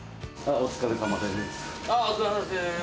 お疲れさまです。